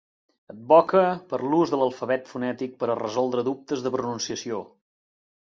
Advoque per l'ús de l'alfabet fonètic per a resoldre dubtes de pronunciació.